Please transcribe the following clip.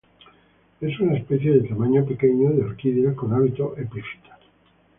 Es una especie de tamaño pequeño de orquídea con hábitos epífitas.